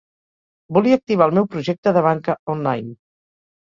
Volia activar el meu projecte de banca online.